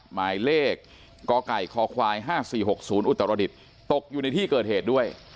หมายเลขกไก่คควาย๕๔๖๐อุตรดิษฐ์ตกอยู่ในที่เกิดเหตุด้วย